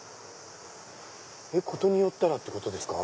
ことによったらってことですか？